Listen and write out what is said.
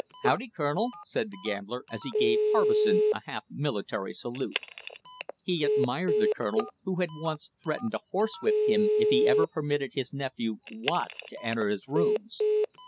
"Howdy, Colonel," said the gambler, as he gave Harbison a half military salute. He admired the colonel, who had once threatened to horsewhip him if he ever permitted his nephew, Watt, to enter his rooms.